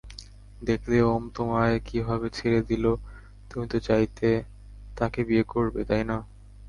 দেখলে ওম তোমায় কিভাবে ছেড়ে দিলো তুমিতো চাইতে তাকে বিয়ে করবে, তাই না?